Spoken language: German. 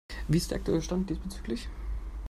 Wie ist der aktuelle Stand diesbezüglich?